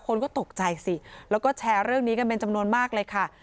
คนก็ตกใจสิแล้วก็แชร์เรื่องนี้กันเป็นจำนวนมากเลยค่ะ